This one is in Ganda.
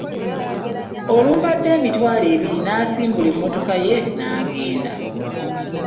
Olumpadde emitwalo ebiri n'asimbula emmotoka ye n'agenda.